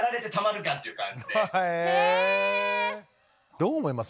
どう思います？